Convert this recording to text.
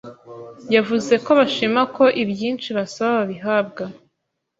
yavuze ko bashima ko ibyinshi basaba babihabwa